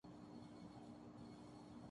اب اس کا کیا کروں؟